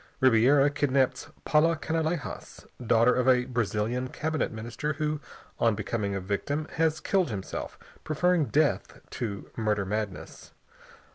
Ribiera kidnaps Paula Canalejas, daughter of a Brazilian cabinet minister who, on becoming a victim, has killed himself, preferring death to "murder madness."